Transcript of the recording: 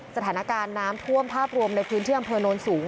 สถานการณ์น้ำท่วมภาพรวมในพื้นที่อำเภอโนนสูง